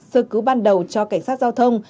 sơ cứu ban đầu cho cảnh sát giao thông